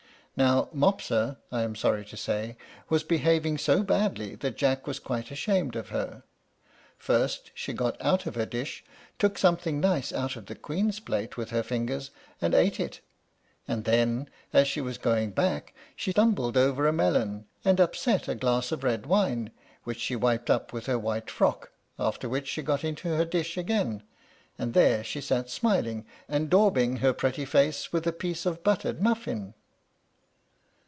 Now Mopsa, I am sorry to say, was behaving so badly that Jack was quite ashamed of her. First, she got out of her dish, took something nice out of the Queen's plate with her fingers, and ate it; and then, as she was going back, she tumbled over a melon, and upset a glass of red wine, which she wiped up with her white frock; after which she got into her dish again, and there she sat smiling, and daubing her pretty face with a piece of buttered muffin.